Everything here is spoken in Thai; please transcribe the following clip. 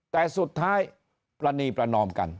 แต่สุดท้ายปรณีประนอมกัน